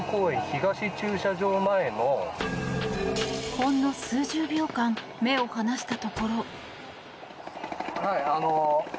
ほんの数十秒間目を離したところ。